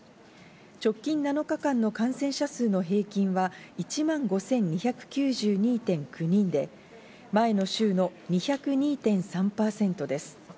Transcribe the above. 直近７日間の感染者数の平均は１万５２９２．９人で、前の週の２０２．３％です。